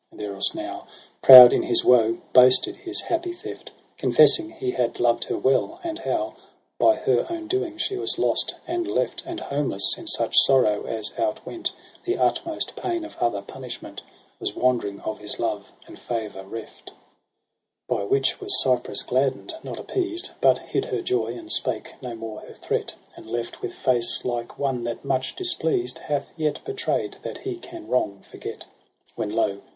And Eros now, Proud in his woe, boasted his happy theft : Confessing he had loved her well, and how By her own doing she was lost and left ; And homeless in such sorrow as outwent The utmost pain of other punishment. Was wandering of his love and favour reft. SEPTEMBER ijj H By which was Cypris gladden'd, not appeased. But hid her joy and spake no more her threat : And left with face Hke one that much displeased Hath yet betray'd that he can wrong forget. When lo